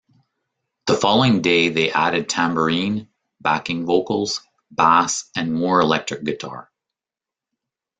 The following day they added tambourine, backing vocals, bass and more electric guitar.